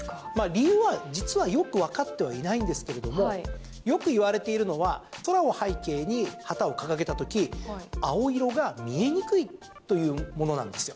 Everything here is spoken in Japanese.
理由は、実はよくわかってはいないんですけれどもよく言われているのは空を背景に旗を掲げた時青色が見えにくいというものなんですよ。